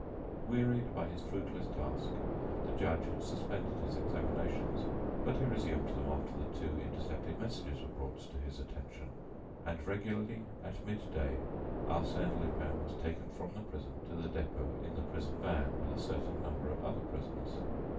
Wearied by his fruitless task, the judge had suspended his examinations, but he resumed them after the two intercepted messages were brought to his attention; and regularly, at mid day, Arsène Lupin was taken from the prison to the Dépôt in the prison van with a certain number of other prisoners.